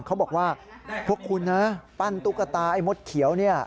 เขาบอกว่าพวกคุณนะปั้นตุ๊กตาไอ้มดเขียวเนี่ย